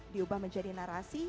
diubah menjadi narasi